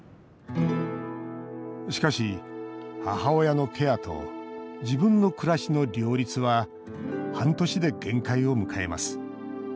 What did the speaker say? しかし、母親のケアと自分の暮らしの両立は半年で限界を迎えます。